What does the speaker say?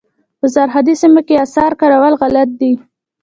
په سرحدي سیمو کې اسعار کارول غلط دي.